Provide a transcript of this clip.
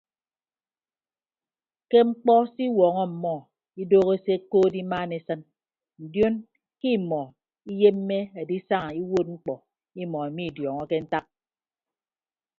Ke mkpọ se iwuọñọ ọmmọ idooho se ekood imaan esịn ndion ke imọ iyemme edisaña iwuod mkpọ imọ mmidiọọñọke ntak.